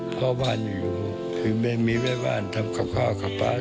พ่อบ้านอยู่คือมีแม่บ้านทำข้าวข้าวป่าล